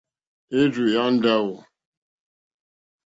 Érzù yá ndáwò.